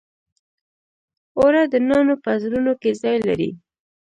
اوړه د نانو په زړونو کې ځای لري